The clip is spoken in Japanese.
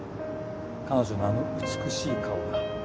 彼女のあの美しい顔が。